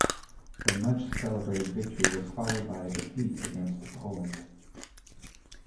The much celebrated victory was followed by a defeat against Poland.